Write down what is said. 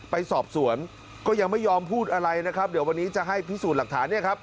ไปสอบสวนก็ยังไม่ยอมพูดอะไรนะครับเดี๋ยววันนี้จะให้พิสูจน์หลักฐานเนี่ยครับ